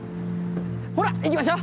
ほら行きましょう。